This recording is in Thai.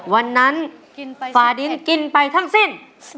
วันนั้นฟาดินกินไปทั้งสิ้น